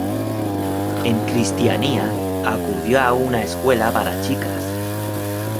En Christiania acudió a una escuela para chicas.